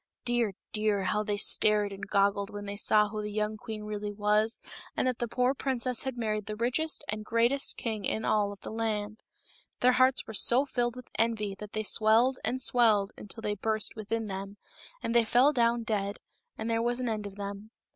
Dear, dear, how they stared and goggled when they saw who the young queen really was, and that the poor princess had married the richest and greatest king in all of the land ! Their hearts were so filled with envy that they swelled and swelled until they burst within them, and they fell down dead, and there was an end of them.